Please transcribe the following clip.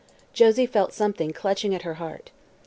Josie felt something clutching at her heart.